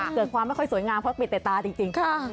เกิดความไม่ค่อยสวยงามเพราะมีแต่ตาจริง